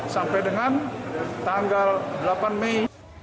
sampai dengan tanggal delapan mei